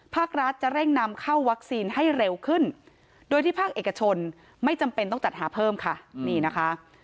ภาครัฐจะเร่งนำเข้าวัคซีนให้เร็วขึ้นโดยที่ภาคเอกชนไม่จำเป็นต้องจัดหาเพิ่มค่ะนี่นะคะ